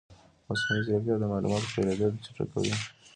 مصنوعي ځیرکتیا د معلوماتو خپرېدل چټکوي.